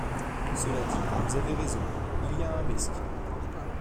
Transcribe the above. Cela dit, vous avez raison : il y a un risque.